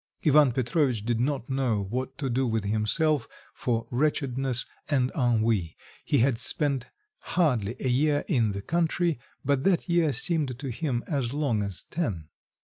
Ivan Petrovitch did not know what to do with himself for wretchedness and ennui; he had spent hardly a year in the country, but that year seemed to him as long as ten.